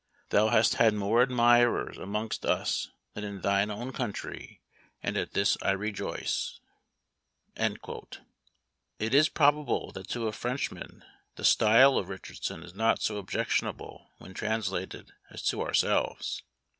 Thou hast had more admirers amongst us than in thine own country, and at this I rejoice!" It is probable that to a Frenchman the style of Richardson is not so objectionable when translated, as to ourselves.